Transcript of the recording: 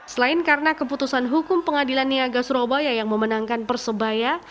selain karena keputusan hukum pengadilan niaga surabaya yang memenangkan persebaya